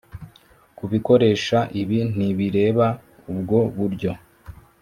kubikoresha Ibi ntibireba ubwo buryo